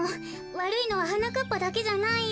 わるいのははなかっぱだけじゃないよ。